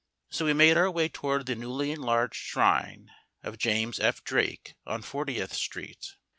So we made our way toward the newly enlarged shrine of James F. Drake on Fortieth Street.